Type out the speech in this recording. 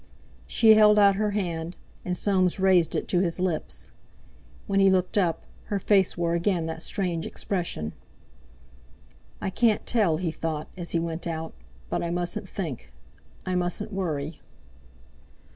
She held out her hand, and Soames raised it to his lips. When he looked up, her face wore again that strange expression. "I can't tell," he thought, as he went out; "but I mustn't think—I mustn't worry."